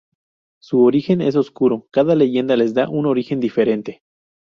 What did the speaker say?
Su origen es oscuro, cada leyenda les da un origen diferente.